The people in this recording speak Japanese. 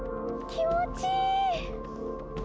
気持ちいい！